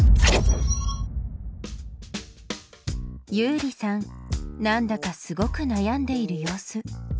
ユウリさんなんだかすごく悩んでいる様子。